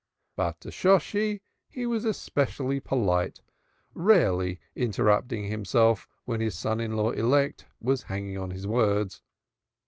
But to Shosshi he was especially polite, rarely interrupting himself when his son in law elect was hanging on his words.